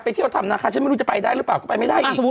เที่ยวทำนาคาฉันไม่รู้จะไปได้หรือเปล่าก็ไปไม่ได้อีก